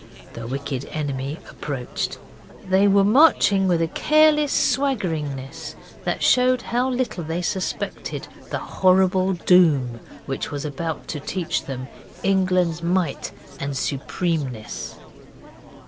The wicked enemy approached. They were marching with a careless swaggeringness that showed how little they suspected the horrible doom which was about to teach them England's might and supremeness.